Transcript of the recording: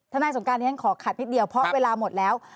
ท่านนายสงการฉันขอขัดพิษเดียวเพราะเวลาหมดแล้ว